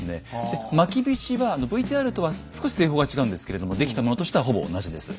でまきびしはＶＴＲとは少し製法が違うんですけれども出来たものとしてはほぼ同じです。